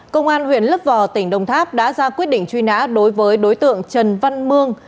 công an huyện lấp vò tỉnh đồng tháp đã ra quyết định truy nã đối với đối tượng trần văn mương